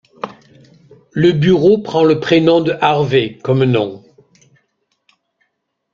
Le bureau prend le prénom de Harvey comme nom.